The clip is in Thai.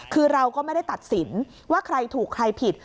คือเราก็ไม่ได้ตัดสินว่าใครถูกใครผิด